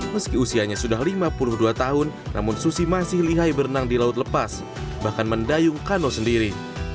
meski usianya sudah lima puluh dua tahun namun susi masih lihai berenang di laut lepas bahkan mendayung kano sendiri